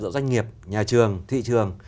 giữa doanh nghiệp nhà trường thị trường